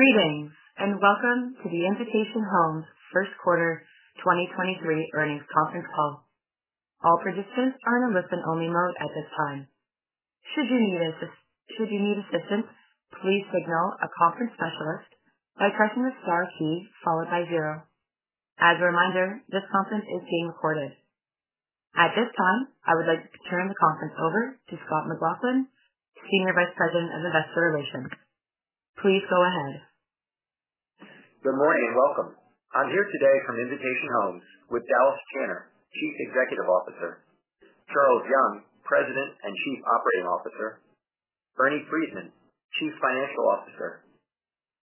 Greetings, welcome to the Invitation Homes First Quarter 2023 Earnings Conference Call. All participants are in listen-only mode at this time. Should you need assistance, please signal a conference specialist by pressing the star key followed by 0. As a reminder, this conference is being recorded. At this time, I would like to turn the conference over to Scott McLaughlin, Senior Vice President of Investor Relations. Please go ahead. Good morning, welcome. I'm here today from Invitation Homes with Dallas Tanner, Chief Executive Officer, Charles Young, President and Chief Operating Officer, Ernie Freedman, Chief Financial Officer,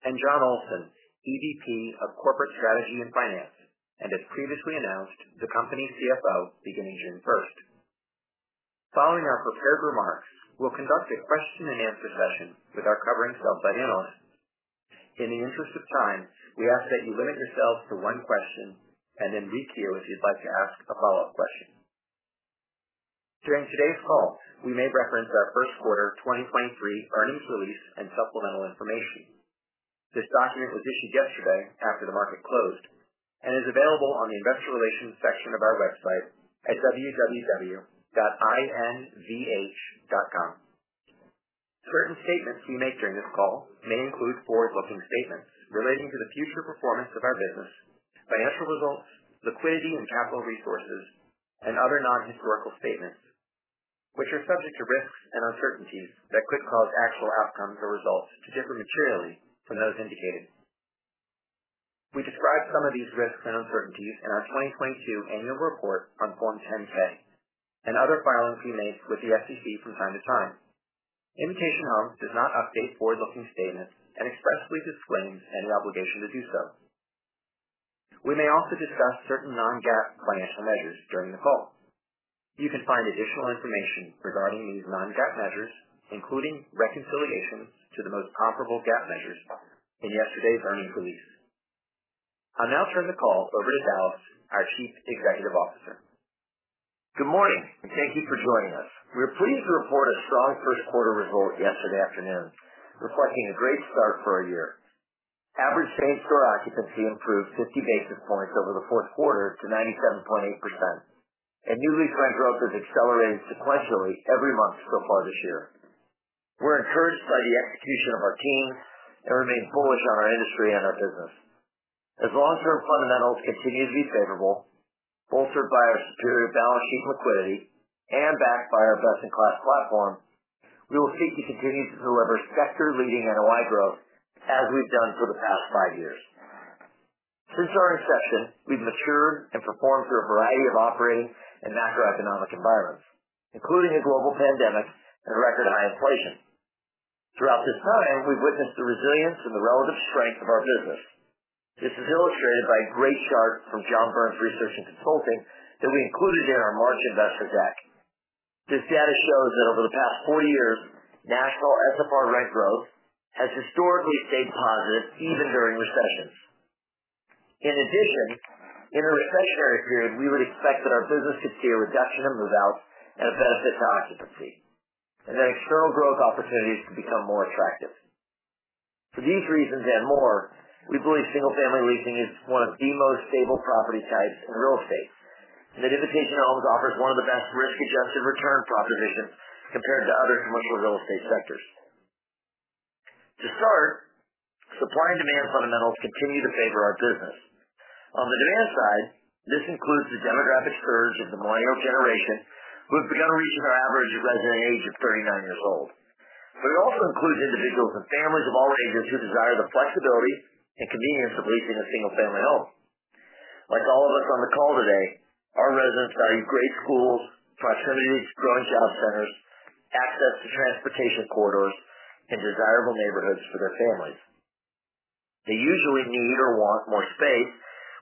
and Jon Olsen, EVP of Corporate Strategy and Finance. As previously announced, the company's CFO beginning June 1st. Following our prepared remarks, we'll conduct a question-and-answer session with our covering sell-side analysts. In the interest of time, we ask that you limit yourselves to one question and then re-queue if you'd like to ask a follow-up question. During today's call, we may reference our 1st quarter 2023 earnings release and supplemental information. This document was issued yesterday after the market closed and is available on the investor relations section of our website at www.invh.com. Certain statements we make during this call may include forward-looking statements relating to the future performance of our business, financial results, liquidity and capital resources, and other non-historical statements, which are subject to risks and uncertainties that could cause actual outcomes or results to differ materially from those indicated. We describe some of these risks and uncertainties in our 2022 annual report on Form 10-K and other filings we make with the SEC from time to time. Invitation Homes does not update forward-looking statements and expressly disclaims any obligation to do so. We may also discuss certain non-GAAP financial measures during the call. You can find additional information regarding these non-GAAP measures, including reconciliations to the most comparable GAAP measures in yesterday's earnings release. I'll now turn the call over to Dallas, our Chief Executive Officer. Good morning, and thank you for joining us. We're pleased to report a strong first quarter result yesterday afternoon, reflecting a great start for our year. Average paid store occupancy improved 50 basis points over the fourth quarter to 97.8%. New lease rent growth has accelerated sequentially every month so far this year. We're encouraged by the execution of our team and remain bullish on our industry and our business. As long-term fundamentals continue to be favorable, bolstered by our superior balance sheet liquidity and backed by our best-in-class platform, we will seek to continue to deliver sector-leading NOI growth as we've done for the past 5 years. Since our inception, we've matured and performed through a variety of operating and macroeconomic environments, including a global pandemic and record high inflation. Throughout this time, we've witnessed the resilience and the relative strength of our business. This is illustrated by a great chart from John Burns Research and Consulting that we included in our March investor deck. This data shows that over the past 40 years, national SFR rent growth has historically stayed positive even during recessions. In a recessionary period, we would expect that our business could see a reduction in move-outs and a benefit to occupancy, and that external growth opportunities could become more attractive. For these reasons and more, we believe single-family leasing is one of the most stable property types in real estate, and that Invitation Homes offers one of the best risk-adjusted return propositions compared to other commercial real estate sectors. To start, supply and demand fundamentals continue to favor our business. On the demand side, this includes the demographic surge of the millennial generation, who have begun reaching our average resident age of 39 years old. It also includes individuals and families of all ages who desire the flexibility and convenience of leasing a single-family home. Like all of us on the call today, our residents value great schools, proximity to growing job centers, access to transportation corridors, and desirable neighborhoods for their families. They usually need or want more space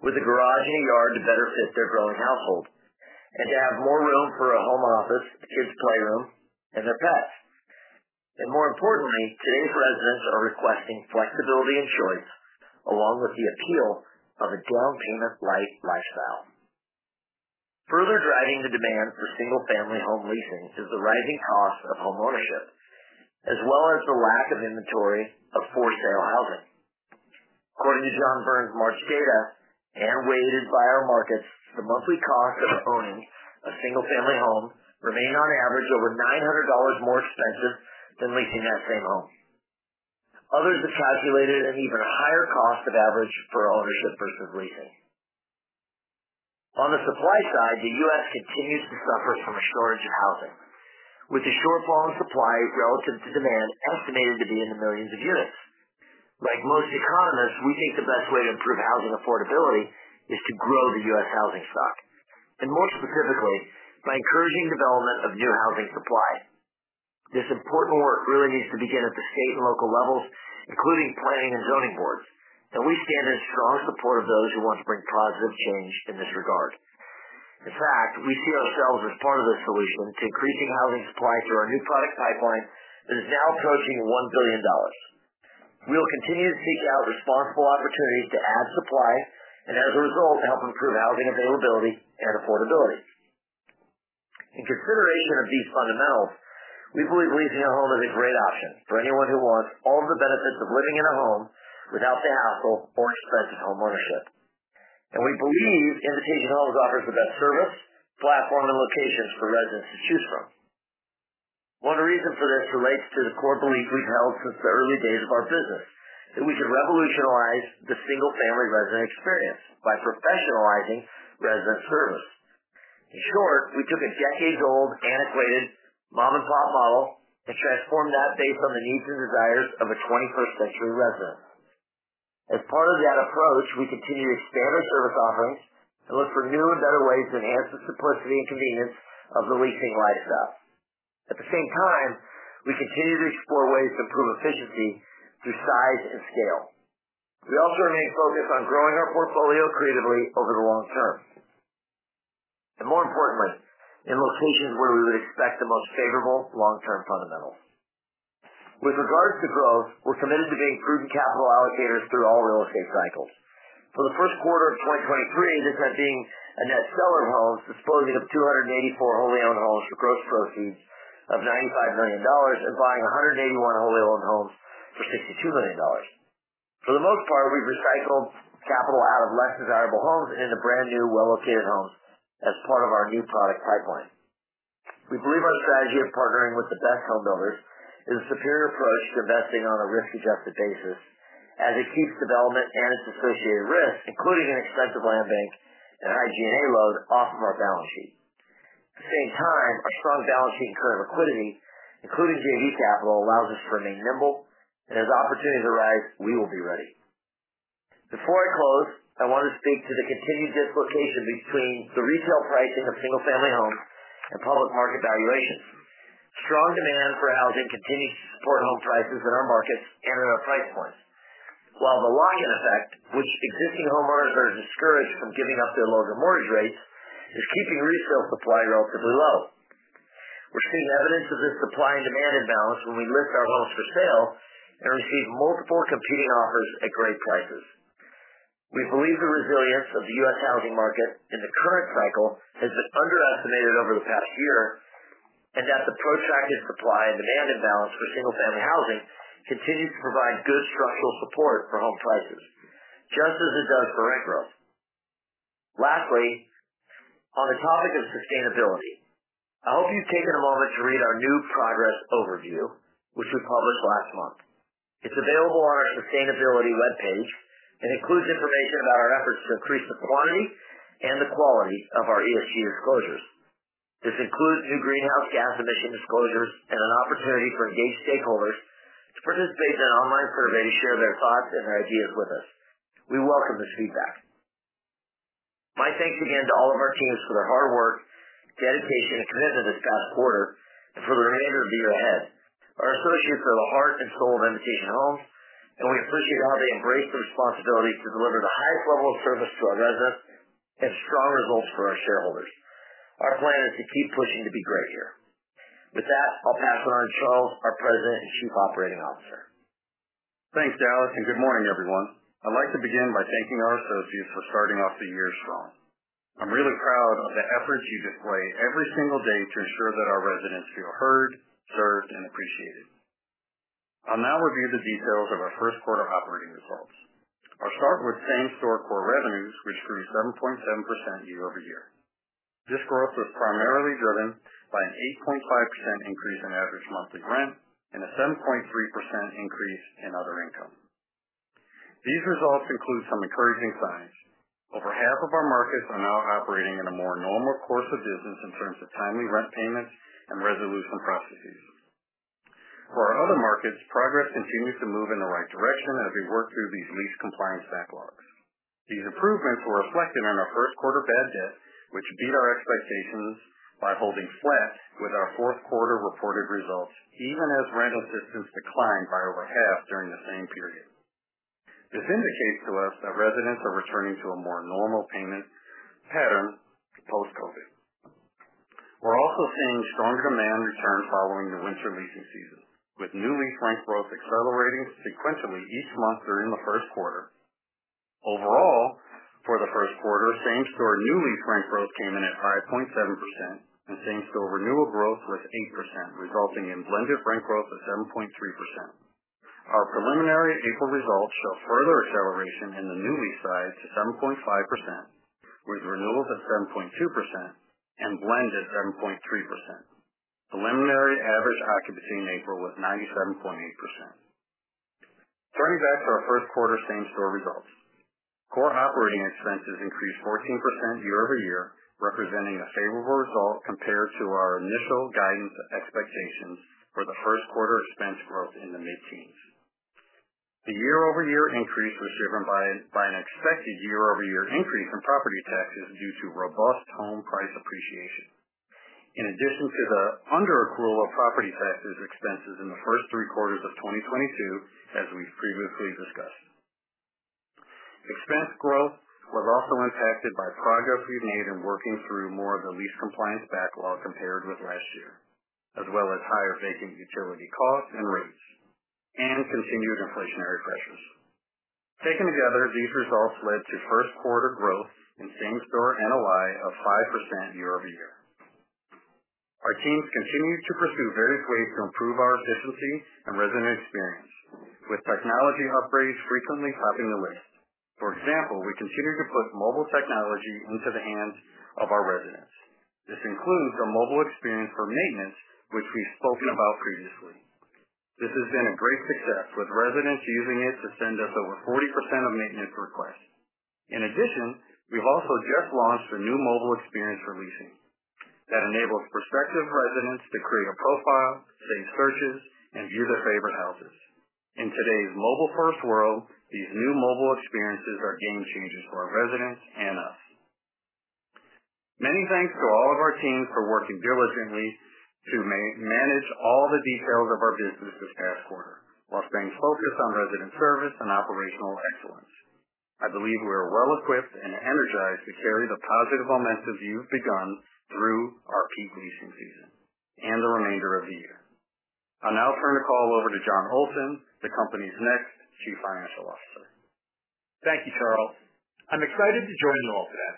with a garage and a yard to better fit their growing household and to have more room for a home office, kids' playroom, and their pets. More importantly, today's residents are requesting flexibility and choice, along with the appeal of a down payment-light lifestyle. Further driving the demand for single-family home leasing is the rising cost of homeownership, as well as the lack of inventory of for-sale housing. According to John Burns March data and weighted by our markets, the monthly cost of owning a single-family home remained on average over $900 more expensive than leasing that same home. Others have calculated an even higher cost of average for ownership versus leasing. On the supply side, the U.S. continues to suffer from a shortage of housing, with the shortfall in supply relative to demand estimated to be in the millions of units. Like most economists, we think the best way to improve housing affordability is to grow the U.S. housing stock, and more specifically, by encouraging development of new housing supply. This important work really needs to begin at the state and local levels, including planning and zoning boards. We stand in strong support of those who want to bring positive change in this regard. In fact, we see ourselves as part of the solution to increasing housing supply through our new product pipeline that is now approaching $1 billion. We will continue to seek out responsible opportunities to add supply and, as a result, help improve housing availability and affordability. In consideration of these fundamentals, we believe leasing a home is a great option for anyone who wants all the benefits of living in a home without the hassle or expense of homeownership. We believe Invitation Homes offers the best service, platform, and locations for residents to choose from. One reason for this relates to the core belief we've held since the early days of our business, that we should revolutionize the single-family resident experience by professionalizing resident service. In short, we took a decades-old, antiquated mom-and-pop model and transformed that based on the needs and desires of a 21st century resident. As part of that approach, we continue to expand our service offerings and look for new and better ways to enhance the simplicity and convenience of the leasing lifestyle. At the same time, we continue to explore ways to improve efficiency through size and scale. We also remain focused on growing our portfolio creatively over the long term, and more importantly, in locations where we would expect the most favorable long-term fundamentals. With regards to growth, we're committed to being prudent capital allocators through all real estate cycles. For the first quarter of 2023, this meant being a net seller of homes, disposing of 284 wholly owned homes for gross proceeds of $95 million and buying 181 wholly owned homes for $62 million. For the most part, we've recycled capital out of less desirable homes and into brand new, well-located homes as part of our new product pipeline. We believe our strategy of partnering with the best homebuilders is a superior approach to investing on a risk-adjusted basis as it keeps development and its associated risks, including an expensive land bank and high G&A load off of our balance sheet. At the same time, our strong balance sheet and current liquidity, including JV capital, allows us to remain nimble, and as opportunities arise, we will be ready. Before I close, I want to speak to the continued dislocation between the retail pricing of single-family homes and public market valuations. Strong demand for housing continues to support home prices in our markets and in our price points. While the lock-in effect, which existing homeowners are discouraged from giving up their lower mortgage rates, is keeping resale supply relatively low. We're seeing evidence of this supply and demand imbalance when we list our homes for sale and receive multiple competing offers at great prices. We believe the resilience of the U.S. housing market in the current cycle has been underestimated over the past year, and that the protracted supply and demand imbalance for single-family housing continues to provide good structural support for home prices, just as it does for rent growth. Lastly, on the topic of sustainability, I hope you've taken a moment to read our new progress overview, which we published last month. It's available on our sustainability webpage and includes information about our efforts to increase the quantity and the quality of our ESG disclosures. This includes new greenhouse gas emission disclosures and an opportunity for engaged stakeholders to participate in an online survey to share their thoughts and ideas with us. We welcome this feedback. My thanks again to all of our teams for their hard work, dedication, and commitment this past quarter and for the remainder of the year ahead. Our associates are the heart and soul of Invitation Homes, and we appreciate how they embrace the responsibility to deliver the highest level of service to our residents and strong results for our shareholders. Our plan is to keep pushing to be great here. With that, I'll pass it on to Charles, our President and Chief Operating Officer. Thanks, Dallas. Good morning, everyone. I'd like to begin by thanking our associates for starting off the year strong. I'm really proud of the efforts you display every single day to ensure that our residents feel heard, served, and appreciated. I'll now review the details of our first quarter operating results. I'll start with same-store core revenues, which grew 7.7% year-over-year. This growth was primarily driven by an 8.5% increase in average monthly rent and a 7.3% increase in other income. These results include some encouraging signs. Over half of our markets are now operating in a more normal course of business in terms of timely rent payments and resolution processes. For our other markets, progress continues to move in the right direction as we work through these lease compliance backlogs. These improvements were reflected in our first quarter bad debt, which beat our expectations by holding flat with our fourth quarter reported results, even as rental assistance declined by over half during the same period. This indicates to us that residents are returning to a more normal payment pattern post-COVID. We're also seeing strong demand return following the winter leasing season, with new lease rent growth accelerating sequentially each month during the first quarter. Overall, for the first quarter, same-store new lease rent growth came in at 7% and same-store renewal growth was 8%, resulting in blended rent growth of 7.3%. Our preliminary April results show further acceleration in the new lease size to 7.5%, with renewals at 7.2% and blend at 7.3%. Preliminary average occupancy in April was 97.8%. Turning back to our first quarter same-store results. Core operating expenses increased 14% year-over-year, representing a favorable result compared to our initial guidance expectations for the first quarter expense growth in the mid-teens. The year-over-year increase was driven by an expected year-over-year increase in property taxes due to robust home price appreciation. In addition to the under-accrual of property taxes expenses in the first three quarters of 2022, as we've previously discussed. Expense growth was also impacted by progress we've made in working through more of the lease compliance backlog compared with last year, as well as higher vacant utility costs and rates and continued inflationary pressures. Taken together, these results led to first quarter growth in same-store NOI of 5% year-over-year. Our teams continue to pursue various ways to improve our efficiency and resident experience, with technology upgrades frequently topping the list. For example, we continue to put mobile technology into the hands of our residents. This includes a mobile experience for maintenance, which we've spoken about previously. This has been a great success, with residents using it to send us over 40% of maintenance requests. We've also just launched a new mobile experience for leasing that enables prospective residents to create a profile, save searches, and view their favorite houses. In today's mobile-first world, these new mobile experiences are game changers for our residents and us. Many thanks to all of our teams for working diligently to manage all the details of our business this past quarter while staying focused on resident service and operational excellence. I believe we are well equipped and energized to carry the positive momentum we've begun through our peak leasing season and the remainder of the year. I'll now turn the call over to Jon Olsen, the company's next Chief Financial Officer. Thank you, Charles. I'm excited to join you all today.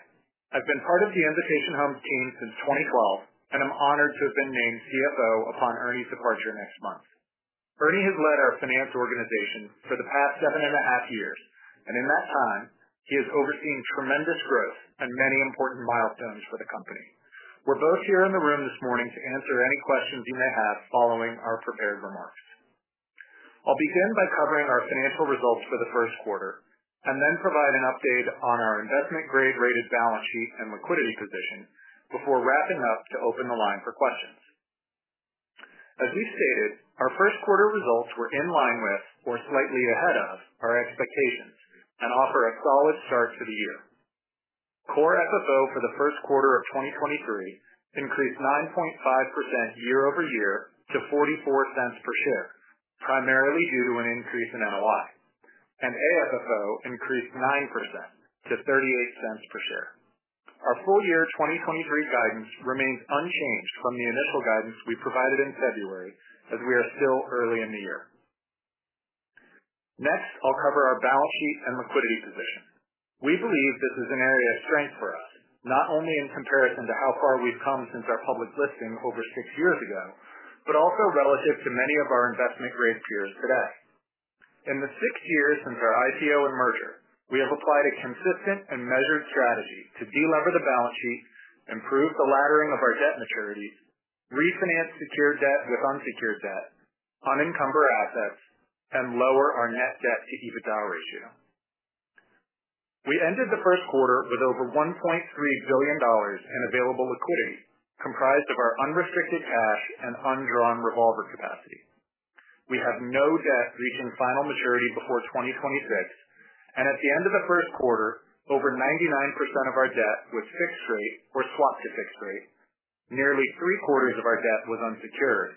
I've been part of the Invitation Homes team since 2012, and I'm honored to have been named CFO upon Ernie's departure next month. Ernie has led our finance organization for the past seven and a half years, and in that time, he has overseen tremendous growth and many important milestones for the company. We're both here in the room this morning to answer any questions you may have following our prepared remarks. I'll begin by covering our financial results for the first quarter and then provide an update on our investment grade rated balance sheet and liquidity position before wrapping up to open the line for questions. As we stated, our first quarter results were in line with or slightly ahead of our expectations and offer a solid start to the year. Core FFO for the first quarter of 2023 increased 9.5% year-over-year to $0.44 per share, primarily due to an increase in NOI. AFFO increased 9% to $0.38 per share. Our full year 2023 guidance remains unchanged from the initial guidance we provided in February, as we are still early in the year. Next, I'll cover our balance sheet and liquidity position. We believe this is an area of strength for us, not only in comparison to how far we've come since our public listing over six years ago, but also relative to many of our investment grade peers today. In the six years since our IPO and merger, we have applied a consistent and measured strategy to delever the balance sheet, improve the laddering of our debt maturities, refinance secured debt with unsecured debt, unencumber assets, and lower our net debt to EBITDA ratio. We ended the first quarter with over $1.3 billion in available liquidity comprised of our unrestricted cash and undrawn revolver capacity. We have no debt reaching final maturity before 2026, and at the end of the first quarter, over 99% of our debt was fixed rate or swapped to fixed rate. Nearly three-quarters of our debt was unsecured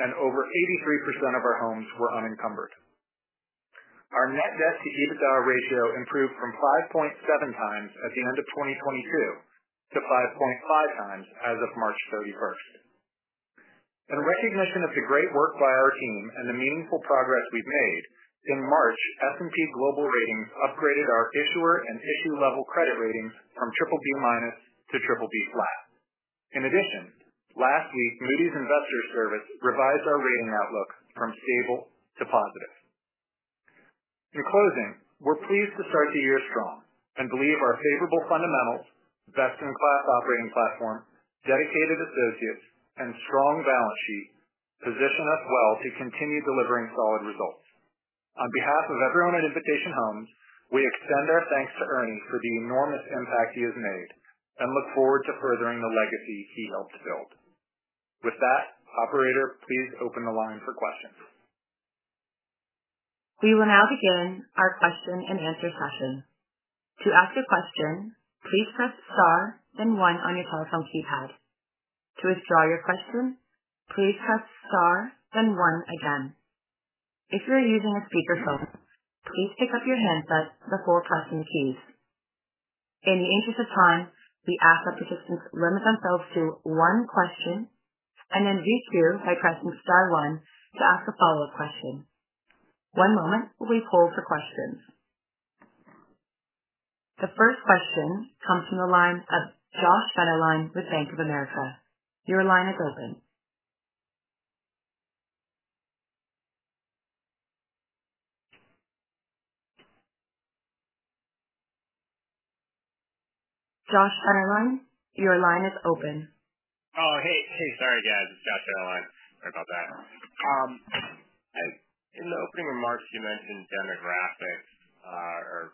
and over 83% of our homes were unencumbered. Our net debt to EBITDA ratio improved from 5.7x at the end of 2022 to 5.5x as of March thirty-first. In recognition of the great work by our team and the meaningful progress we've made, in March, S&P Global Ratings upgraded our issuer and issue level credit ratings from triple B-minus to triple B flat. In addition, last week, Moody's Investors Service revised our rating outlook from stable to positive. In closing, we're pleased to start the year strong and believe our favorable fundamentals, best in class operating platform, dedicated associates and strong balance sheet position us well to continue delivering solid results. On behalf of everyone at Invitation Homes, we extend our thanks to Ernie for the enormous impact he has made and look forward to furthering the legacy he helped build. With that, operator, please open the line for questions. We will now begin our question and answer session. To ask a question, please press star then one on your telephone keypad. To withdraw your question, please press star then one again. If you are using a speakerphone, please pick up your handset before pressing keys. In the interest of time, we ask that participants limit themselves to one question and then queue by pressing star one to ask a follow-up question. One moment while we poll for questions. The first question comes from the line of Josh Dennerlein with Bank of America. Your line is open. Josh Dennerlein, your line is open. It's Josh Dennerlein. In the opening remarks you mentioned demographics are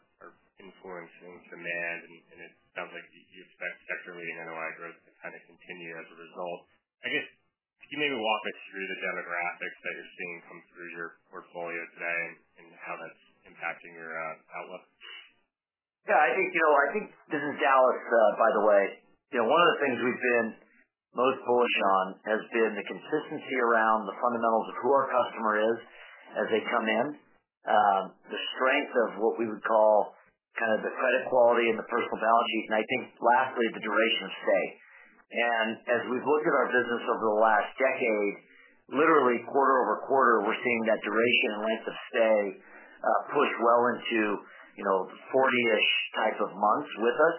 influencing demand and it sounds like you expect secular NOI growth to kind of continue as a result. I guess, can you maybe walk us through the demographics that you're seeing come through your portfolio today and how that's impacting your outlook? Yeah, I think, you know, I think. This is Dallas, by the way. You know, one of the things we've been most bullish on has been the consistency around the fundamentals of who our customer is as they come in, the strength of what we would call Kind of the credit quality and the personal balance sheet. I think lastly, the duration of stay. As we've looked at our business over the last decade, literally quarter-over-quarter, we're seeing that duration and length of stay push well into, you know, 40-ish type of months with us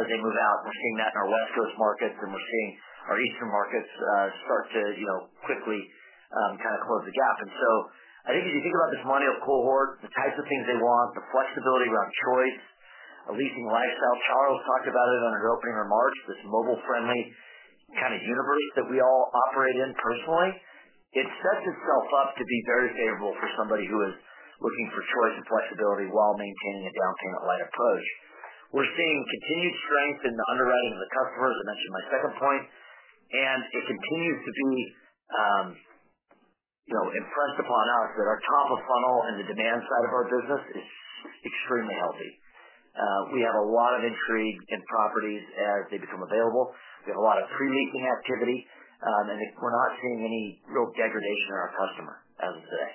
as they move out. We're seeing that in our West Coast markets, and we're seeing our eastern markets start to, you know, quickly kind of close the gap. I think if you think about this millennial cohort, the types of things they want, the flexibility around choice, a leasing lifestyle. Charles talked about it on his opening remarks, this mobile friendly kind of universe that we all operate in personally. It sets itself up to be very favorable for somebody who is looking for choice and flexibility while maintaining a down payment light approach. We're seeing continued strength in the underwriting of the customers. I mentioned my second point, and it continues to be, you know, impressed upon us that our top of funnel and the demand side of our business is extremely healthy. We have a lot of intrigue in properties as they become available. We have a lot of pre-leasing activity, and we're not seeing any real degradation in our customer, I would say.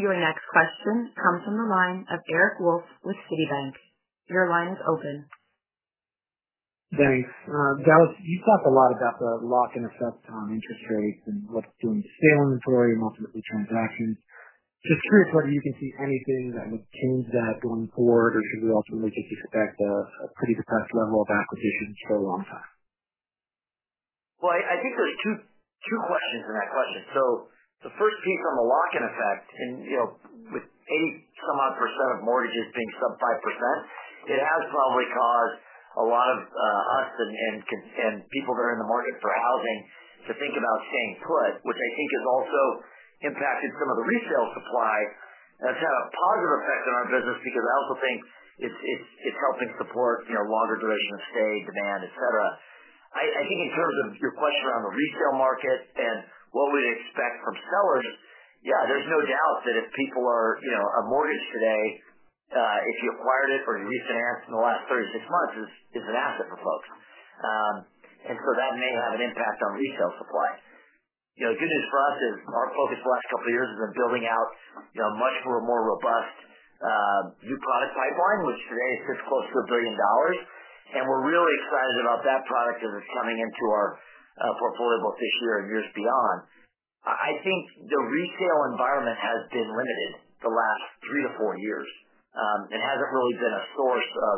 Your next question comes from the line of Eric Wolfe with Citi. Your line is open. Thanks. Dallas, you talk a lot about the lock and effect on interest rates and what's doing to sale inventory and ultimately transactions. Just curious whether you can see anything that would change that going forward or should we ultimately just expect a pretty depressed level of acquisitions for a long time? I think there's two questions in that question. The first piece on the lock-in effect, and, you know, with 80% of mortgages being sub 5%, it has probably caused a lot of us and people that are in the market for housing to think about staying put, which I think has also impacted some of the resale supply. That's had a positive effect on our business because I also think it's helping support, you know, longer duration of stay, demand, et cetera. I think in terms of your question around the resale market and what we'd expect from sellers, yeah, there's no doubt that if people are, you know, a mortgage today, if you acquired it or you refinanced in the last 36 months, it's an asset for folks. That may have an impact on resale supply. You know, the good news for us is our focus the last couple of years has been building out, you know, much more robust new product pipeline, which today sits close to $1 billion. We're really excited about that product as it's coming into our portfolio both this year and years beyond. I think the resale environment has been limited the last three to four years, and hasn't really been a source of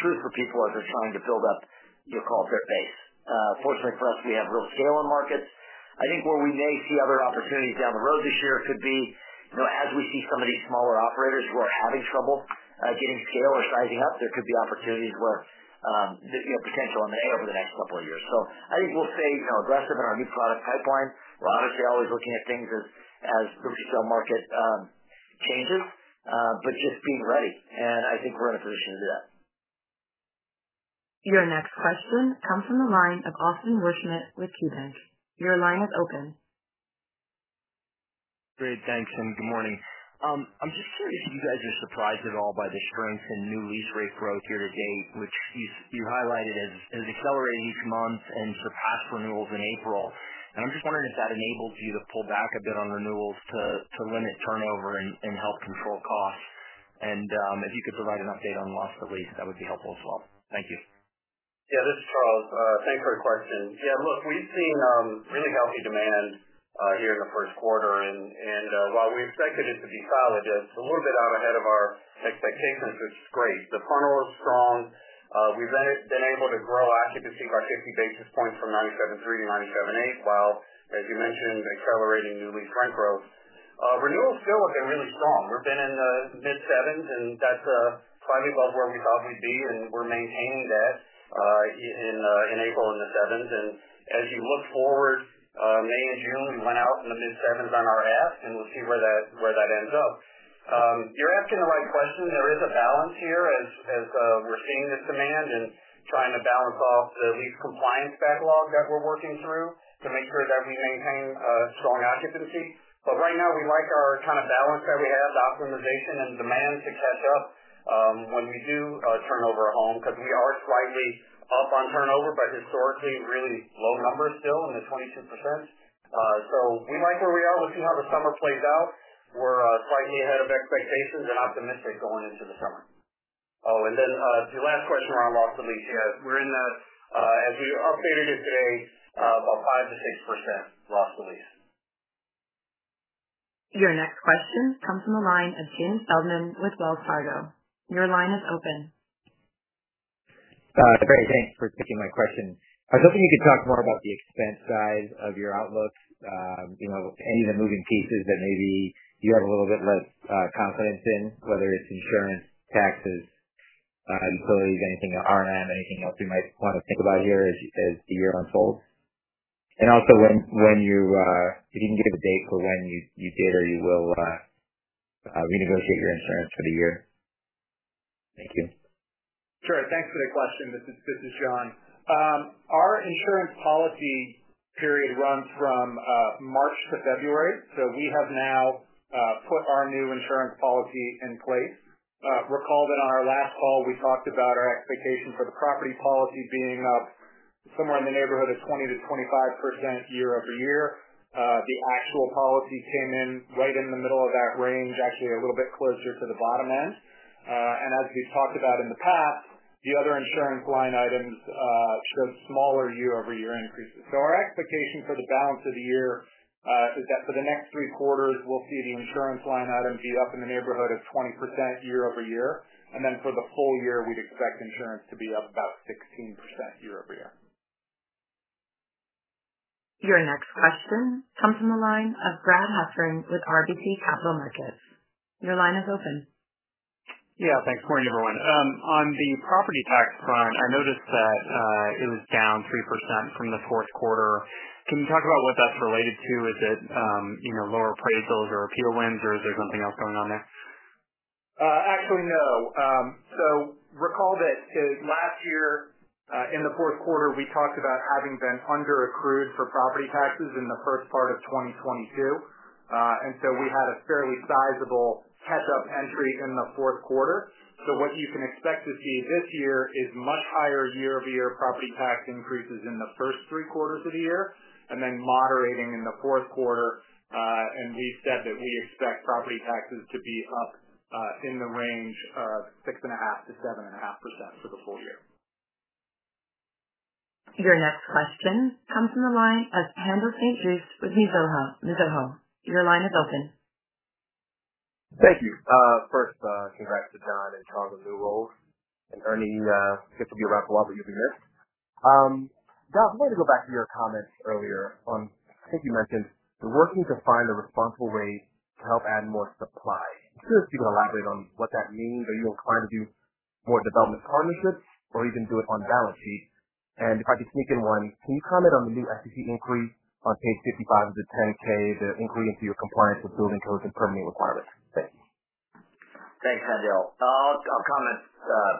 truth for people as they're trying to build up, you know, call it their base. Fortunately for us, we have real scale in markets. I think where we may see other opportunities down the road this year could be, you know, as we see some of these smaller operators who are having trouble, getting scale or sizing up, there could be opportunities where, you know, potential in May over the next couple of years. I think we'll stay, you know, aggressive in our new product pipeline. We're obviously always looking at things as the resale market, changes, but just being ready, and I think we're in a position to do that. Your next question comes from the line of Austin Wurschmidt with KeyBanc Capital Markets. Your line is open. Great. Thanks, and good morning. I'm just curious if you guys are surprised at all by the strength in new lease rate growth year-to-date, which you've highlighted as accelerating each month and surpassed renewals in April. I'm just wondering if that enabled you to pull back a bit on renewals to limit turnover and help control costs. If you could provide an update on loss of lease, that would be helpful as well. Thank you. Yeah, this is Charles. Thanks for the question. Yeah, look, we've seen really healthy demand here in the first quarter. While we expected it to be solid, it's a little bit out ahead of our expectations, which is great. The funnel is strong. We've been able to grow occupancy by 50 basis points from 97.3-97.8, while, as you mentioned, accelerating new lease rent growth. Renewals still have been really strong. We've been in the mid-7s, and that's slightly above where we thought we'd be, and we're maintaining that in April in the 7s. As you look forward, May and June, we went out in the mid-7s on our ask, and we'll see where that ends up. You're asking the right question. There is a balance here as we're seeing this demand and trying to balance off the lease compliance backlog that we're working through to make sure that we maintain a strong occupancy. Right now, we like our kind of balance that we have, the optimization and demand to catch up when we do turnover a home because we are slightly up on turnover, but historically really low numbers still in the 22%. We like where we are. We'll see how the summer plays out. We're slightly ahead of expectations and optimistic going into the summer. Then your last question around loss of lease. Yeah, we're in the as we updated it today, about 5%-6% loss of lease. Your next question comes from the line of J.L. Feldman with Wells Fargo. Your line is open. Great. Thanks for taking my question. I was hoping you could talk more about the expense side of your outlook. You know, any of the moving pieces that maybe you have a little bit less confidence in, whether it's insurance, taxes, employees, anything, R&M, anything else you might want to think about here as the year unfolds. Also when you, if you can give a date for when you did or you will renegotiate your insurance for the year. Thank you. Sure. Thanks for the question. This is Jon Olsen. Our insurance policy period runs from March to February. We have now put our new insurance policy in place. Recall that on our last call, we talked about our expectation for the property policy being up somewhere in the neighborhood of 20%-25% year-over-year. The actual policy came in right in the middle of that range, actually a little bit closer to the bottom end. As we've talked about in the past, the other insurance line items show smaller year-over-year increases. Our expectation for the balance of the year is that for the next three quarters, we'll see the insurance line items be up in the neighborhood of 20% year-over-year. For the full year, we'd expect insurance to be up about 16% year-over-year. Your next question comes from the line of Brad Heffern with RBC Capital Markets. Your line is open. Yeah, thanks. Morning, everyone. On the property tax front, I noticed that, it was down 3% from the fourth quarter. Can you talk about what that's related to? Is it, you know, lower appraisals or appeal wins, or is there something else going on there? call that last year, in the fourth quarter, we talked about having been underaccrued for property taxes in the first part of 2022. We had a fairly sizable catch-up entry in the fourth quarter. What you can expect to see this year is much higher year-over-year property tax increases in the first three quarters of the year, and then moderating in the fourth quarter. We've said that we expect property taxes to be up in the range of 6.5%-7.5% for the full year. Your next question comes from the line of Haendel St. Juste with Mizuho. Mizuho, your line is open. Thank you. First, congrats to Jon and Charles on new roles. Ernie, it's good to be back. A lot would you be missed. Jon, I'm going to go back to your comments earlier on. I think you mentioned working to find a responsible way to help add more supply. Just see if you can elaborate on what that means. Are you inclined to do more development partnerships or even do it on the balance sheet? If I could sneak in one, can you comment on the new SEC inquiry on page 55 of the 10-K, the inquiry into your compliance with building codes and permitting requirements? Thanks. Thanks, Kendall. I'll comment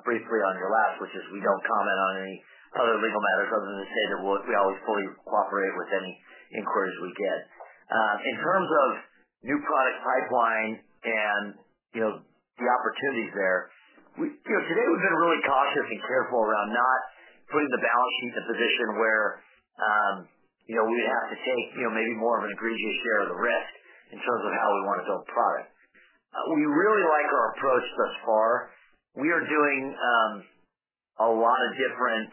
briefly on your last, which is we don't comment on any other legal matters other than to say that we always fully cooperate with any inquiries we get. In terms of new product pipeline and, you know, the opportunities there. We, you know, to date, we've been really cautious and careful around not putting the balance sheet in a position where, you know, we'd have to take, you know, maybe more of an egregious share of the risk in terms of how we want to build product. We really like our approach thus far. We are doing a lot of different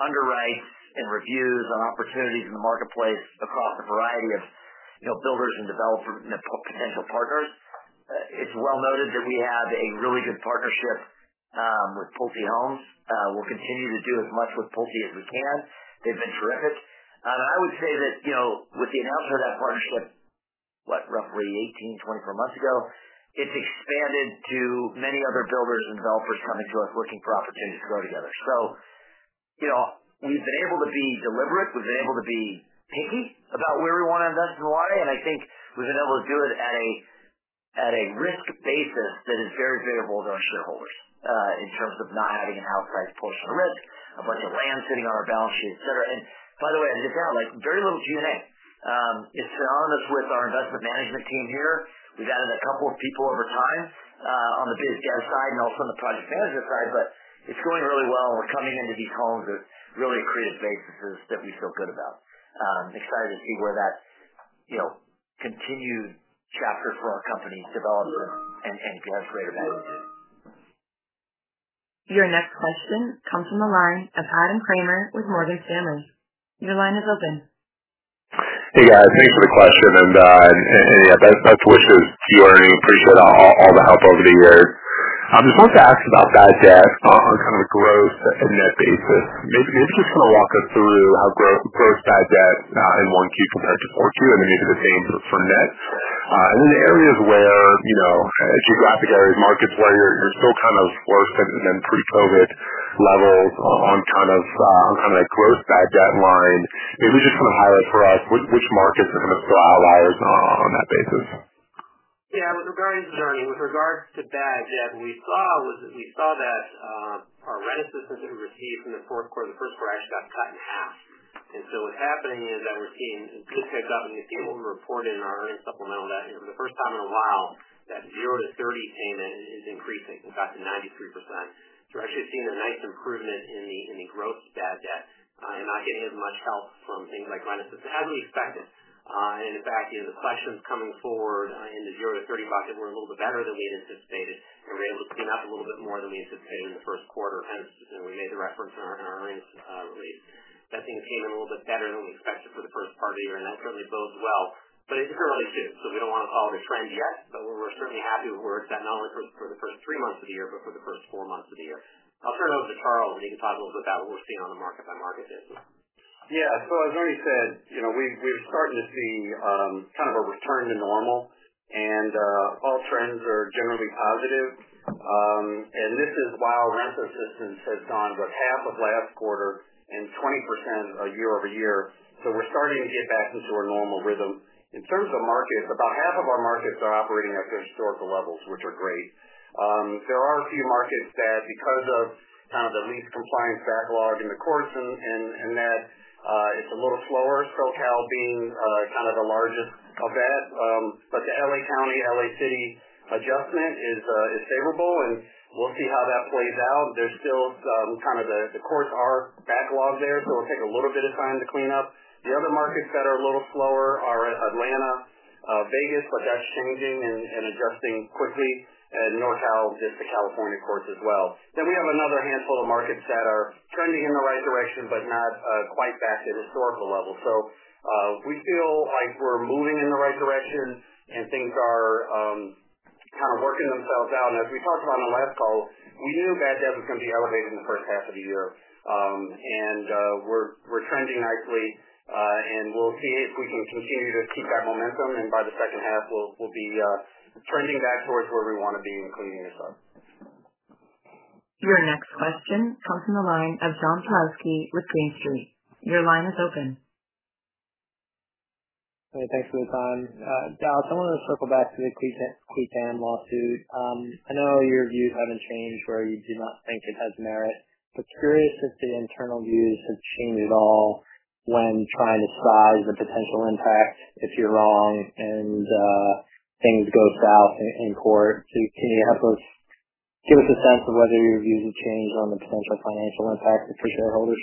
underwrites and reviews on opportunities in the marketplace across a variety of, you know, builders and developer, potential partners. It's well noted that we have a really good partnership with Pulte Homes. We'll continue to do as much with Pulte as we can. They've been terrific. I would say that, you know, with the announcement of that partnership, what, roughly 18, 24 months ago, it's expanded to many other builders and developers coming to us looking for opportunities to grow together. You know, we've been able to be deliberate. We've been able to be picky about where we want to invest and why. I think we've been able to do it at a, at a risk basis that is very favorable to our shareholders, in terms of not having an outsized portion of risk, a bunch of land sitting on our balance sheet, et cetera. By the way, as it turned out, like very little Q&A. It's been on us with our investment management team here. We've added a couple of people over time, on the business debt side and also on the project management side. It's going really well. We're coming into these homes with really accretive bases that we feel good about. Excited to see where that, you know, continued chapter for our company's development and can have greater value. Your next question comes from the line of Adam Kramer with Morgan Stanley. Your line is open. Hey, guys. Thanks for the question. Yeah, best wishes to you, Ernie. Appreciate all the help over the years. Just wanted to ask about bad debt on kind of a gross and net basis. Maybe just kind of walk us through how gross bad debt in 1Q compared to 4 2 and then maybe the same for net. Then the areas where, you know, geographic areas, markets where you're still kind of worse than pre-COVID levels on kind of gross bad debt line. Maybe just kind of highlight for us which markets are kind of outliers on that basis. Yeah. With regards to Ernie, with regards to bad debt, what we saw was that our rent assistance that we received in the fourth quarter, the first quarter actually got cut in half. What's happening is that we're seeing it really catch up. You'll see what we report in our earnings supplemental data for the first time in a while that zero to 30 payment is increasing. It's about to 93%. We're actually seeing a nice improvement in the gross bad debt and not getting as much help from things like rent assistance as we expected. In fact, you know, the collections coming forward in the zero to 30 bucket were a little bit better than we had anticipated. We're able to clean up a little bit more than we anticipated in the first quarter. As we made the reference in our earnings release, that seemed to came in a little bit better than we expected for the first part of the year. That certainly bodes well, but it's early June, so we don't want to call it a trend yet. We're certainly happy with where it's at, not only for the first three months of the year, but for the first four months of the year. I'll turn it over to Charles, and he can talk a little bit about what we're seeing on a market by market basis. As Ernie said, you know, we're starting to see kind of a return to normal. All trends are generally positive. This is while rent assistance has gone about half of last quarter and 20% year-over-year. We're starting to get back into a normal rhythm. In terms of markets, about half of our markets are operating at their historical levels, which are great. There are a few markets that, because of kind of the lease compliance backlog in the courts and that It's a little slower, SoCal being kind of the largest of that. The LA County, LA City adjustment is favorable, and we'll see how that plays out. There's still some kind of the courts are backlogged there, it'll take a little bit of time to clean up. The other markets that are a little slower are Atlanta, Vegas, that's changing and adjusting quickly. North Cal, just the California courts as well. We have another handful of markets that are trending in the right direction, but not quite back to historical levels. We feel like we're moving in the right direction and things are kind of working themselves out. As we talked about on the last call, we knew bad debt was gonna be elevated in the first half of the year. We're trending nicely, and we'll see if we can continue to keep that momentum. By the second half, we'll be trending back towards where we wanna be in including this up. Your next question comes from the line of John Pawlowski with Green Street. Your line is open. Hey, thanks for the time. Dallas, I wanna circle back to the McCumber lawsuit. I know your views haven't changed where you do not think it has merit. Curious if the internal views have changed at all when trying to size the potential impact if you're wrong and things go south in court. Can you help us give us a sense of whether your views have changed on the potential financial impact for shareholders?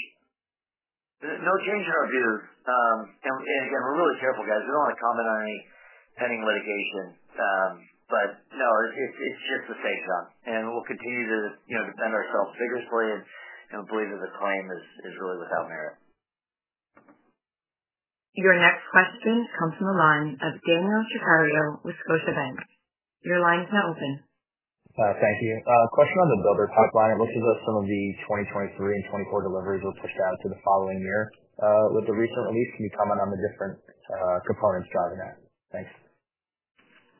There's no change in our view. We're really careful, guys. We don't want to comment on any pending litigation. No, it's just a fake run, and we'll continue to, you know, defend ourselves vigorously and believe that the claim is really without merit. Your next question comes from the line of Daniel Tricarico with Scotiabank. Your line is now open. Thank you. A question on the builder top line. It looks as though some of the 2023 and 2024 deliveries were pushed out to the following year. With the recent release, can you comment on the different components driving that? Thanks.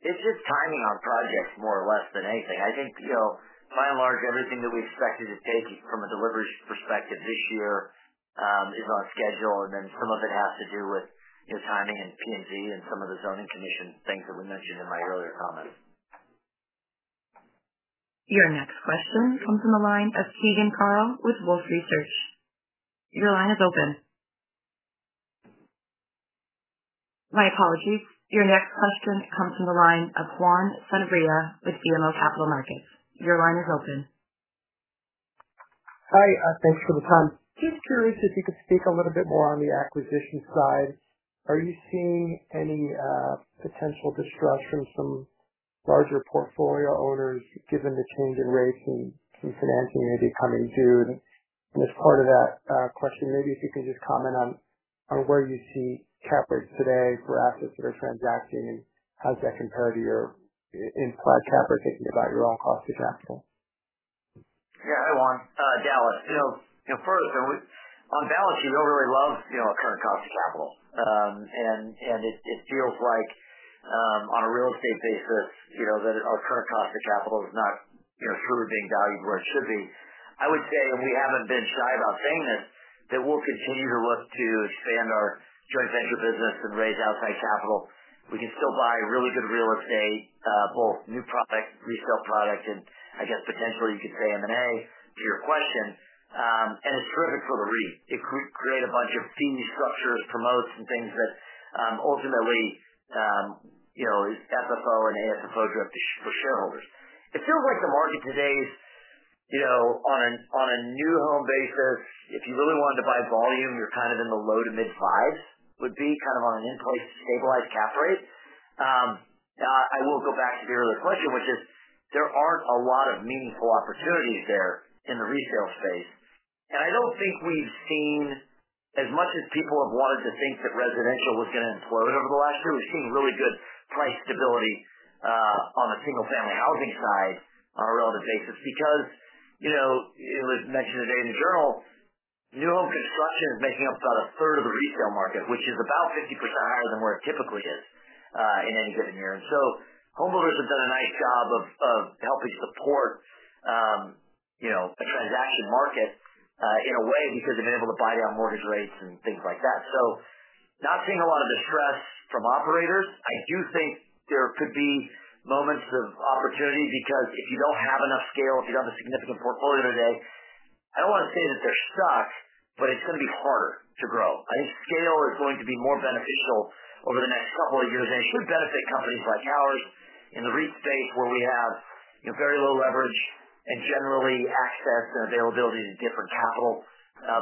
It's just timing on projects more or less than anything. I think, you know, by and large, everything that we expected to take from a delivery perspective this year is on schedule. Some of it has to do with the timing in P&Z and some of the zoning commission things that we mentioned in my earlier comments. Your next question comes from the line of Keegan Carl with Wolfe Research. Your line is open. My apologies. Your next question comes from the line of Juan Sanabria with BMO Capital Markets. Your line is open. Hi, thanks for the time. Just curious if you could speak a little bit more on the acquisition side. Are you seeing any potential distress from larger portfolio owners given the change in rates and some financing maybe coming due? As part of that question, maybe if you could just comment on where you see cap rates today for assets that are transacting and how does that compare to your implied cap or thinking about your all cost of capital? Yeah. Hi, Juan, Dallas. You know, first on balance sheets, we really love, you know, our current cost of capital. It feels like on a real estate basis, you know, that our current cost of capital is not, you know, truly being valued where it should be. I would say, we haven't been shy about saying this, that we'll continue to look to expand our joint venture business and raise outside capital. We can still buy really good real estate, both new product, resale product and I guess potentially you could say M&A to your question. It's terrific for the REIT. It create a bunch of fee structures, promotes and things that ultimately, you know, FFO and AFFO for shareholders. It feels like the market today is, you know, on a new home basis, if you really wanted to buy volume, you're kind of in the low to mid 5s, would be kind of on an in-place stabilized cap rate. I will go back to your other question, which is there aren't a lot of meaningful opportunities there in the resale space. I don't think we've seen as much as people have wanted to think that residential was gonna implode over the last year. We've seen really good price stability, on the single-family housing side on a relative basis. You know, it was mentioned today in the journal, new home construction is making up about 1/3 of the resale market, which is about 50% higher than where it typically is, in any given year. homebuyers have done a nice job of helping support, you know, a transaction market in a way because they've been able to buy down mortgage rates and things like that. Not seeing a lot of distress from operators. I do think there could be moments of opportunity because if you don't have enough scale, if you don't have a significant portfolio today, I don't want to say that they're stuck, but it's gonna be harder to grow. I think scale is going to be more beneficial over the next couple of years, and it should benefit companies like Caliber in the REIT space where we have, you know, very low leverage and generally access and availability to different capital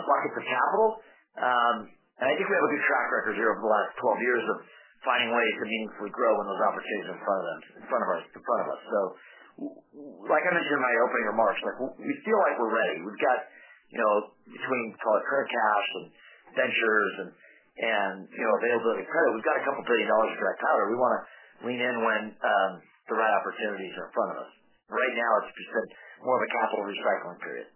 buckets of capital. I think we have a good track record here over the last 12 years of finding ways to meaningfully grow when those opportunities in front of us. Like I mentioned in my opening remarks, like we feel like we're ready. We've got, you know, between call it current cash and ventures and, you know, availability of credit. We've got $2 billion of dry powder. We wanna lean in when the right opportunities are in front of us. Right now it's just a more of a capital recycling period.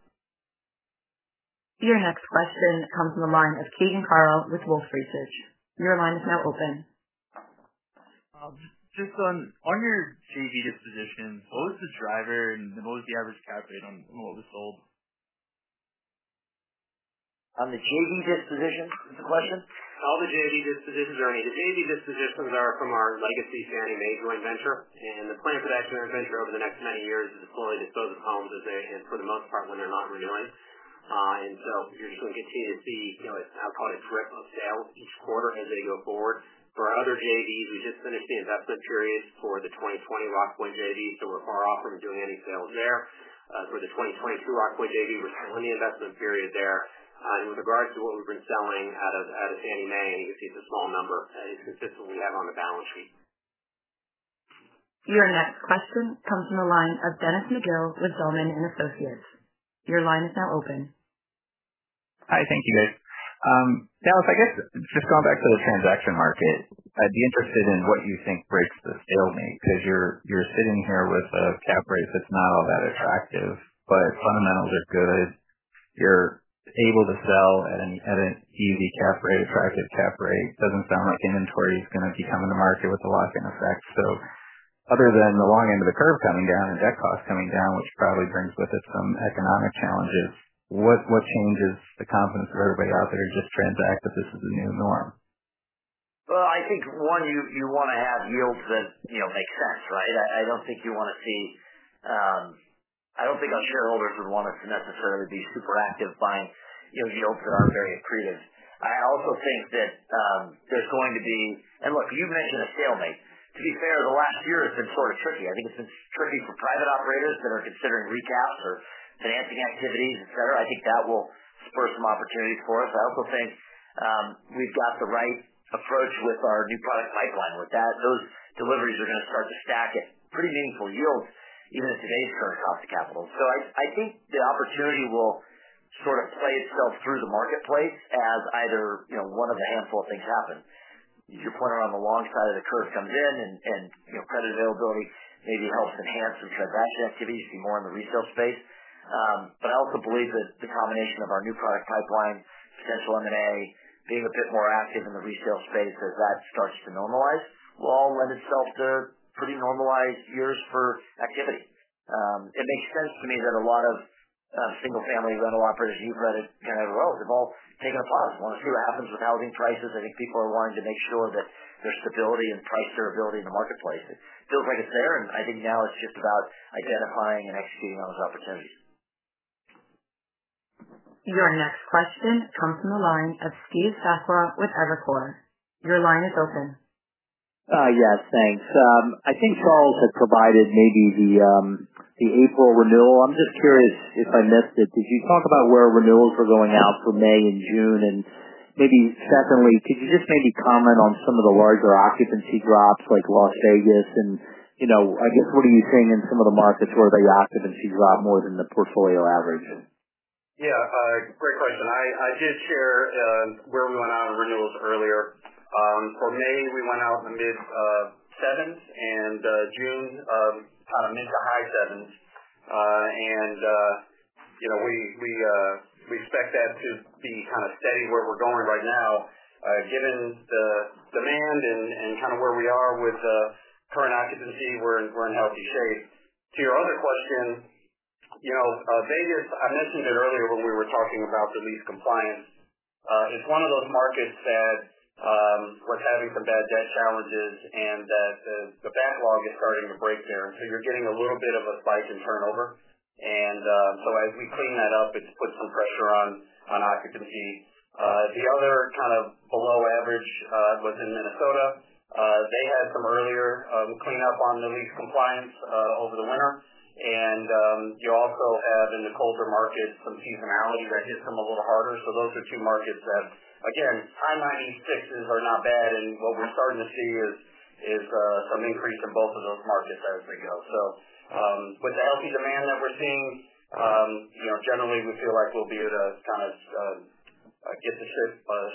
Your next question comes from the line of Keegan Carl with Wolfe Research. Your line is now open. Just on your JV disposition, what was the driver and what was the average cap rate on what was sold? On the JV disposition is the question? On the JV dispositions. I mean, the JV dispositions are from our legacy Fannie Mae joint venture. The plan for that joint venture over the next many years is deploy the sort of homes, and for the most part when they're not rejoined. You're just gonna continue to see, you know, I'll call it direct upsell each quarter as they go forward. For our other JVs, we just finished the investment period for the 2020 Rockpoint JV, so we're far off from doing any sales there. For the 2022 Rockpoint JV, we're still in the investment period there. With regards to what we've been selling out of, out of Fannie Mae, we see the small number, and it's consistent with that on the balance sheet. Your next question comes from the line of Dennis McGill with Zelman & Associates. Your line is now open. Hi. Thank you, guys. Dallas, I guess just going back to the transaction market, I'd be interested in what you think breaks the stalemate because you're sitting here with a cap rate that's not all that attractive, but fundamentals are good. You're able to sell at an easy cap rate, attractive cap rate. Doesn't sound like inventory is gonna be coming to market with the lock-in effect. Other than the long end of the curve coming down and debt costs coming down, which probably brings with it some economic challenges, what changes the confidence for everybody out there to just transact that this is the new norm? Well, I think one you wanna have yields that, you know, make sense, right? I don't think you wanna see, I don't think our shareholders would want us to necessarily be super active buying, you know, yields that aren't very accretive. I also think that there's going to be. Look, you've mentioned a stalemate. To be fair, the last year has been sort of tricky. I think it's been tricky for private operators that are considering reach outs or financing activities, et cetera. I think that will spur some opportunities for us. I also think we've got the right approach with our new product pipeline. With that, those deliveries are gonna start to stack at pretty meaningful yields even at today's current cost of capital. I think the opportunity will sort of play itself through the marketplace as either, you know, one of a handful of things happen. Your point around the long side of the curve comes in and, you know, credit availability maybe helps enhance some transaction activity, see more in the resale space. I also believe that the combination of our new product pipeline, potential M&A, being a bit more active in the resale space as that starts to normalize, will all lend itself to pretty normalized years for activity. It makes sense to me that a lot of, single-family rental operators you've read it kind of well, they've all taken a pause. They wanna see what happens with housing prices. I think people are wanting to make sure that there's stability and price durability in the marketplace. It feels like it's there, and I think now it's just about identifying and executing on those opportunities. Your next question comes from the line of Steve Sakwa with Evercore. Your line is open. Yes, thanks. I think Charles had provided maybe the April renewal. I'm just curious if I missed it. Could you talk about where renewals are going out for May and June? Maybe secondly, could you just maybe comment on some of the larger occupancy drops like Las Vegas and, you know, I guess what are you seeing in some of the markets where the occupancy dropped more than the portfolio averages? Yeah. Great question. I did share where we went out on renewals earlier. For May, we went out in the mid seventh and June, kind of mid to high seventh. You know, we expect that to be kind of steady where we're going right now. Given the demand and kind of where we are with current occupancy, we're in healthy shape. To your other question, you know, Vegas, I mentioned it earlier when we were talking about the lease compliance. It's one of those markets that was having some bad debt challenges and that the backlog is starting to break there. You're getting a little bit of a spike in turnover. As we clean that up, it's put some pressure on occupancy. The other kind of below average was in Minnesota. They had some earlier cleanup on the lease compliance over the winter. You also have in the colder markets some seasonality that hits them a little harder. Those are two markets that, again, high 96s are not bad, and what we're starting to see is some increase in both of those markets as we go. With the healthy demand that we're seeing, you know, generally we feel like we'll be able to kind of get the ship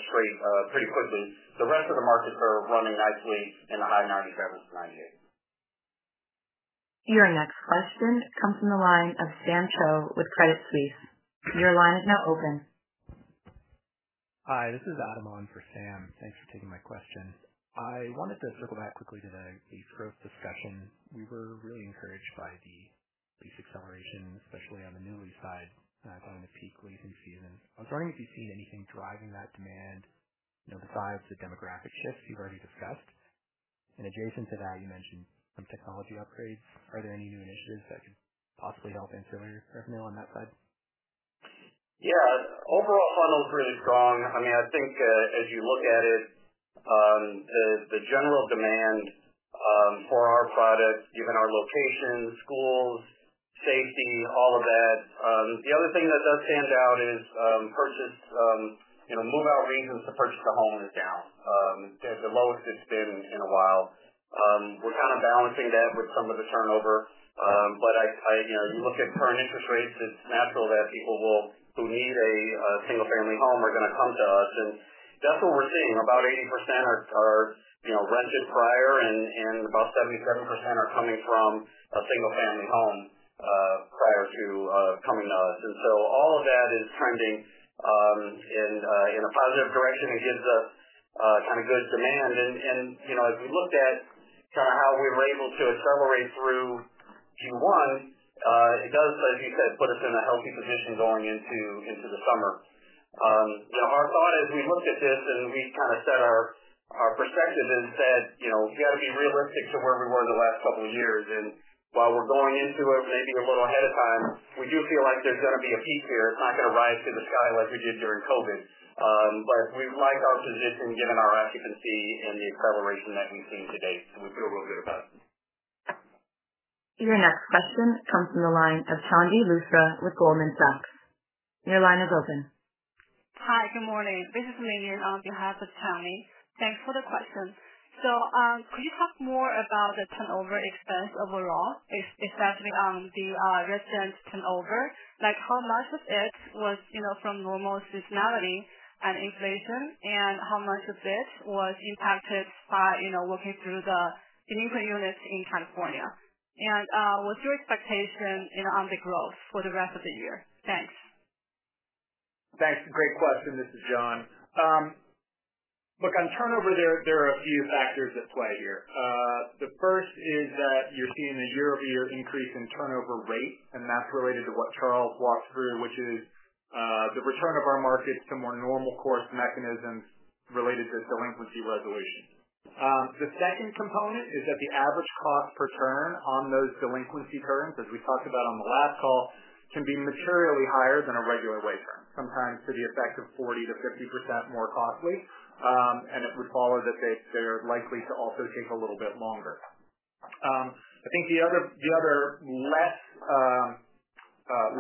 straight pretty quickly. The rest of the markets are running nicely in the high 97s to 98s. Your next question comes from the line of Sam Choe with Credit Suisse. Your line is now open. Hi, this is Adam Kramer on for Sam Choe. Thanks for taking my question. I wanted to circle back quickly to the lease growth discussion. We were really encouraged by the lease acceleration, especially on the new lease side, going into peak leasing season. I was wondering if you've seen anything driving that demand, you know, besides the demographic shifts you've already discussed. Adjacent to that, you mentioned some technology upgrades. Are there any new initiatives that could possibly help accelerate your growth mill on that side? Yeah. Overall funnel's really strong. I mean, I think, as you look at it, the general demand for our products, given our location, schools, safety, all of that. The other thing that does stand out is, you know, move-out reasons to purchase a home is down. It's the lowest it's been in a while. We're kind of balancing that with some of the turnover. But I, you know, you look at current interest rates, it's natural that people who need a single-family home are gonna come to us, and that's what we're seeing. About 80% are, you know, rented prior and 77% are coming from a single-family home prior to coming to us. All of that is trending in a positive direction. It gives us, kind of good demand. You know, as we looked at kinda how we were able to accelerate through Q1, it does, as you said, put us in a healthy position going into the summer. You know, our thought as we look at this and we kinda set our perspective and said, you know, we gotta be realistic to where we were the last couple of years. While we're going into it maybe a little ahead of time, we do feel like there's gonna be a peak here. It's not gonna rise through the sky like we did during COVID. We like our position given our occupancy and the acceleration that we've seen to date, and we feel really good about it. Your next question comes from the line of Chandni Luthra with Goldman Sachs. Your line is open. Hi. Good morning. This is Amelia on behalf of Chandni. Thanks for the question. Could you talk more about the turnover expense overall, especially the resident turnover? Like how much of it was, you know, from normal seasonality and inflation, and how much of it was impacted by, you know, working through the delinquent units in California? What's your expectation, you know, on the growth for the rest of the year? Thanks. Thanks. Great question. This is Jon. Look, on turnover there are a few factors at play here. The first is that you're seeing a year-over-year increase in turnover rate, and that's related to what Charles walked through, which is, the return of our markets to more normal course mechanisms related to delinquency resolution. The second component is that the average cost per turn on those delinquency turns, as we talked about on the last call, can be materially higher than a regular way turn, sometimes to the effect of 40%-50% more costly. It would follow that they're likely to also take a little bit longer. I think the other, the other less,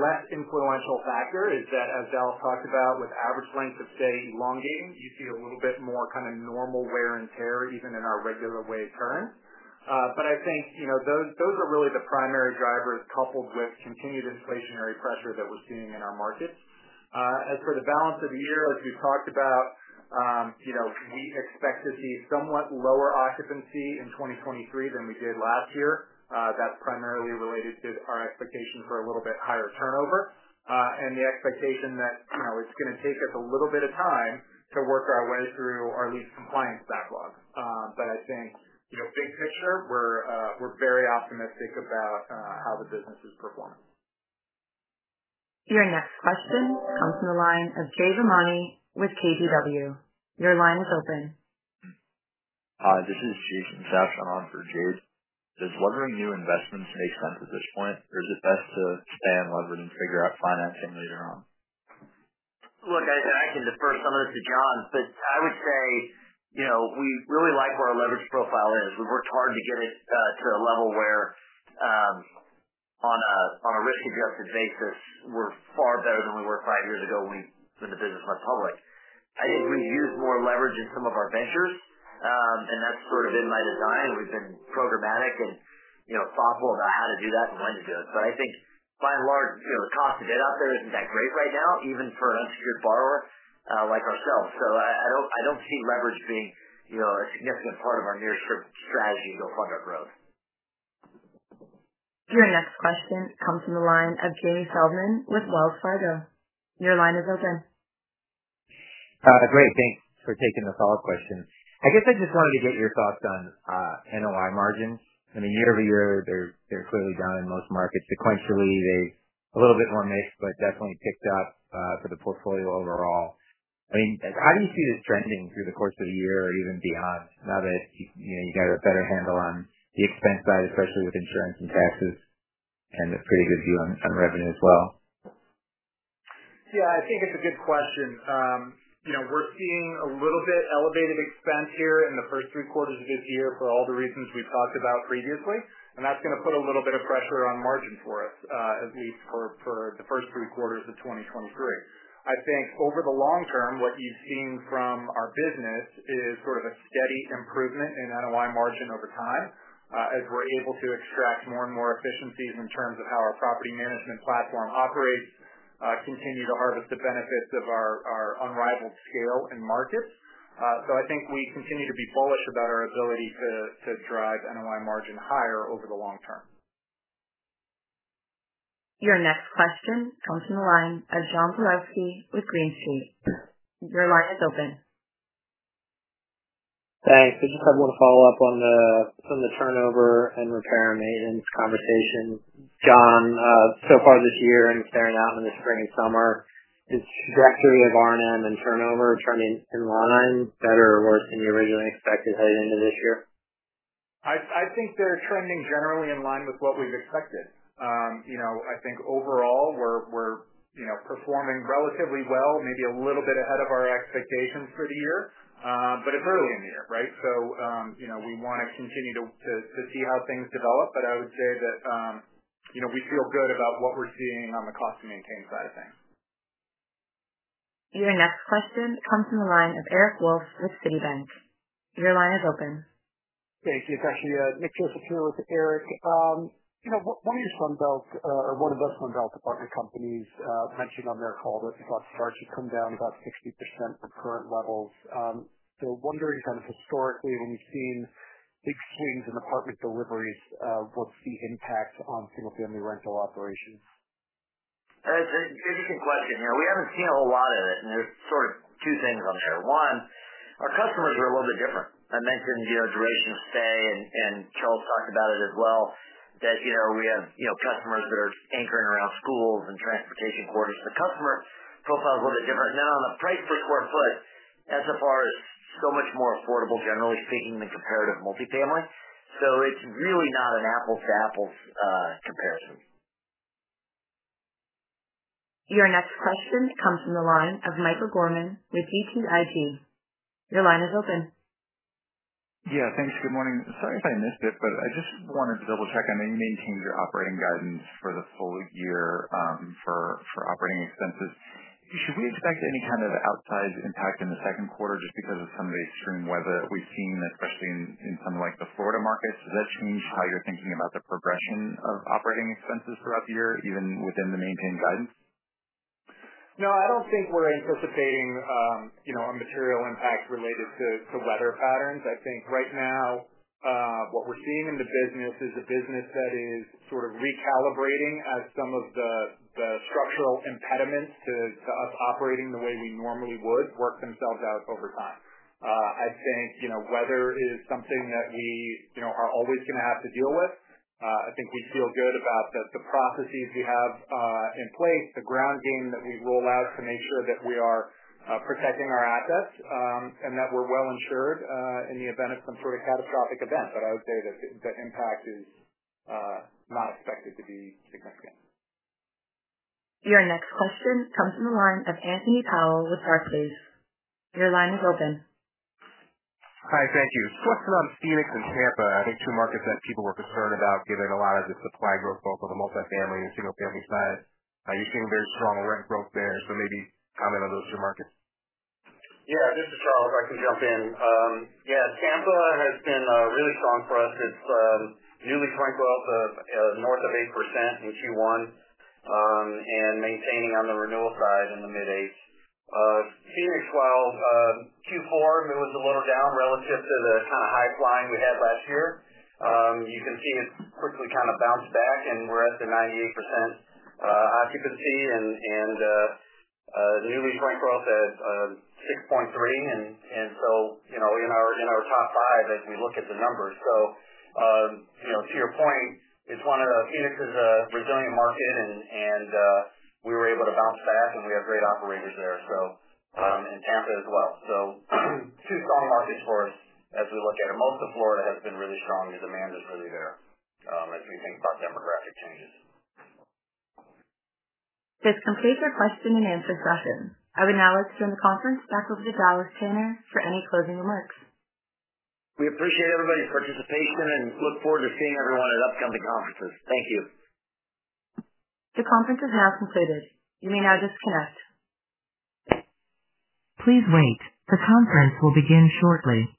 less influential factor is that, as Dallas talked about, with average length of stay elongating, you see a little bit more kinda normal wear and tear even in our regular way turns. I think, you know, those are really the primary drivers coupled with continued inflationary pressure that we're seeing in our markets. As for the balance of the year, as we've talked about, you know, we expect to see somewhat lower occupancy in 2023 than we did last year. That's primarily related to our expectation for a little bit higher turnover, and the expectation that, you know, it's gonna take us a little bit of time to work our way through our lease compliance backlog. I think, you know, big picture, we're very optimistic about how the business is performing. Your next question comes from the line of Jade Rahmani with KBW. Your line is open. This is Jason Sabshon on for Jade. Does levering new investments make sense at this point, or is it best to stay unlevered and figure out financing later on? Look, I can defer some of this to John. I would say, you know, we really like where our leverage profile is. We've worked hard to get it to a level where on a risk-adjusted basis, we're far better than we were five years ago when the business went public. I think we've used more leverage in some of our ventures, and that's sort of been by design. We've been programmatic and, you know, thoughtful about how to do that and when to do it. I think by and large, you know, the cost of debt out there isn't that great right now, even for an unsecured borrower like ourselves. I don't see leverage being, you know, a significant part of our near-term strategy to fund our growth. Your next question comes from the line of Jamie Feldman with Wells Fargo. Your line is open. Great. Thanks for taking the follow-up question. I guess I just wanted to get your thoughts on NOI margins. I mean, year-over-year, they're clearly down in most markets. Sequentially, they're a little bit more mixed, but definitely picked up for the portfolio overall. I mean, like, how do you see this trending through the course of the year or even beyond now that you know, you got a better handle on the expense side, especially with insurance and taxes, and a pretty good view on revenue as well? Yeah, I think it's a good question. You know, we're seeing a little bit elevated expense here in the first three quarters of this year for all the reasons we've talked about previously, and that's gonna put a little bit of pressure on margin for us, at least for the first three quarters of 2023. I think over the long term, what you've seen from our business is sort of a steady improvement in NOI margin over time, as we're able to extract more and more efficiencies in terms of how our property management platform operates, continue to harvest the benefits of our unrivaled scale and markets. I think we continue to be bullish about our ability to drive NOI margin higher over the long term. Your next question comes from the line of John Pawlowski with Green Street. Your line is open. Thanks. I just had one follow-up on the turnover and repair and maintenance conversation. John, so far this year and carrying out into spring and summer, is trajectory of R&M and turnover trending in line better or worse than you originally expected heading into this year? I think they're trending generally in line with what we've expected. You know, I think overall we're, you know, performing relatively well, maybe a little bit ahead of our expectations for the year. It's early in the year, right? You know, we wanna continue to see how things develop. I would say that, you know, we feel good about what we're seeing on the cost of maintaining side of things. Your next question comes from the line of Eric Wolfe with Citi. Your line is open. Thank you. It's actually, Nick Joseph here with Eric. You know, one of Sunbelt's, or one of the Sunbelt apartment companies, mentioned on their call that they thought starts should come down about 60% from current levels. Wondering kind of historically, when you've seen big swings in apartment deliveries, what's the impact on single-family rental operations? It's an interesting question. You know, we haven't seen a whole lot of it, and there's sort of two things on there. One, our customers are a little bit different. I mentioned, you know, duration of stay, and Charles talked about it as well, that, you know, we have, you know, customers that are anchoring around schools and transportation corridors. The customer profile is a little bit different. Now, on the price per square foot, SFR is so much more affordable, generally speaking, than comparative multifamily. It's really not an apple to apples comparison. Your next question comes from the line of Michael Gorman with BTIG. Your line is open. Yeah. Thanks. Good morning. Sorry if I missed it, but I just wanted to double-check. I mean, you maintained your operating guidance for the full year for operating expenses. Should we expect any kind of outsized impact in the second quarter just because of some of the extreme weather we've seen, especially in somewhere like the Florida markets? Does that change how you're thinking about the progression of operating expenses throughout the year, even within the maintained guidance? I don't think we're anticipating, you know, a material impact related to weather patterns. I think right now, what we're seeing in the business is a business that is sort of recalibrating as some of the structural impediments to us operating the way we normally would work themselves out over time. I think, you know, weather is something that we, you know, are always gonna have to deal with. I think we feel good about the processes we have in place, the ground game that we roll out to make sure that we are protecting our assets, and that we're well-insured in the event of some sort of catastrophic event. I would say that the impact is not expected to be significant. Your next question comes from the line of Anthony Powell with Barclays. Your line is open. Hi. Thank you. Just on Phoenix and Tampa, I think two markets that people were concerned about given a lot of the supply growth, both on the multifamily and single family side. Are you seeing very strong rent growth there? Maybe comment on those two markets. Yeah, this is Charles. I can jump in. Yeah, Tampa has been really strong for us. It's newly rent growth of north of 8% in Q1 and maintaining on the renewal side in the mid-8. Phoenix, while Q4 was a little down relative to the kind of high flying we had last year, you can see it's quickly kind of bounced back and we're at the 98% occupancy and the newly rent growth at 6.3. You know, in our top five as we look at the numbers. You know, to your point, Phoenix is a resilient market and we were able to bounce back, and we have great operators there. Tampa as well. Two strong markets for us as we look at it. Most of Florida has been really strong. The demand is really there, as we think about demographic changes. This completes our question and answer session. I would now like to turn the conference back over to Dallas Tanner for any closing remarks. We appreciate everybody's participation and look forward to seeing everyone at upcoming conferences. Thank you. The conference has now concluded. You may now disconnect. Please wait. The conference will begin shortly.